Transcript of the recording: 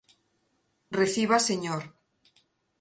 Reciba Sr.